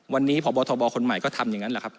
วันนี้พบทบคนใหม่ก็ทำอย่างนั้นแหละครับ